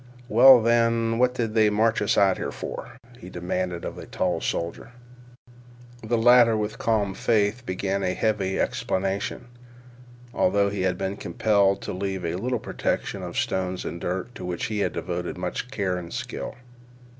"Well, then, what did they march us out here for?" he demanded of the tall soldier. The latter with calm faith began a heavy explanation, although he had been compelled to leave a little protection of stones and dirt to which he had devoted much care and skill.